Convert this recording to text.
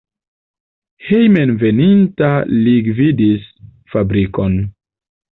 Hejmenveninta li gvidis fabrikon.